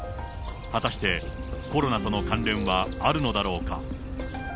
果たしてコロナとの関連はあるのだろうか。